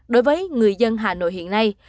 đối với người dân hà nội hiện nay